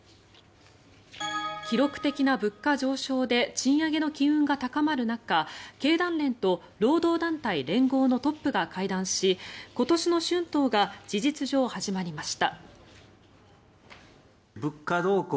記録的な物価上昇で賃上げの機運が高まる中経団連と労働団体、連合のトップが会談し今年の春闘が事実上始まりました。